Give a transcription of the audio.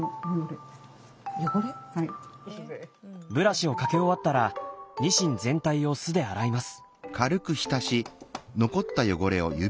ブラシをかけ終わったらニシン全体を酢で洗います。